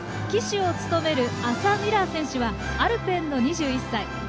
旗手を務めるアサ・ミラー選手はアルペンの２１歳。